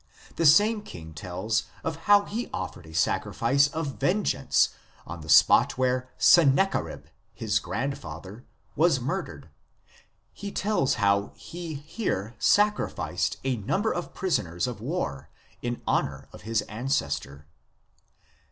The same king tells of how he offered a sacrifice of vengeance on the spot where Sennacherib, his grandfather, was mur dered ; he tells how he here sacrificed a number of prisoners of war in honour of his ancestor.